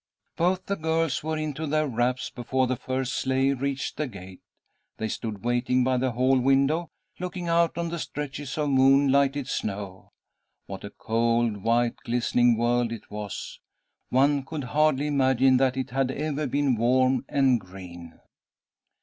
Both the girls were into their wraps before the first sleigh reached the gate. They stood waiting by the hall window, looking out on the stretches of moon lighted snow. What a cold, white, glistening world it was! One could hardly imagine that it had ever been warm and green.